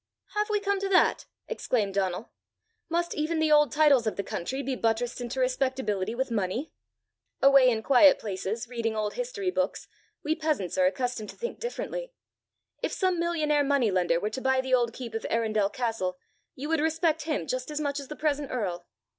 "Have we come to that!" exclaimed Donal. "Must even the old titles of the country be buttressed into respectability with money? Away in quiet places, reading old history books, we peasants are accustomed to think differently. If some millionaire money lender were to buy the old keep of Arundel castle, you would respect him just as much as the present earl!"